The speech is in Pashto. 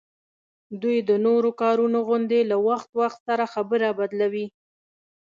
دوی د نورو کارونو غوندي له وخت وخت سره خبره بدلوي